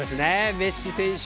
メッシ選手